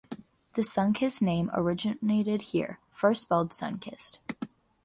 The Sunkist name originated here, first spelled Sunkissed.